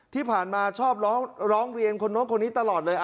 ที่ผ่านมาชอบร้องเรียนคนน้องคนนี้ตลอดเลย